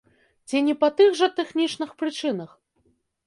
Ці не па тых жа тэхнічных прычынах?